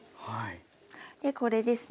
でこれですね